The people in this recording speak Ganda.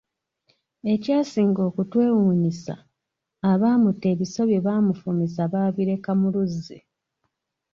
Ekyasinga okutwewuunyisa abaamutta ebiso bye baamufumisa baabireka mu luzzi.